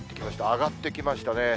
上がってきましたね。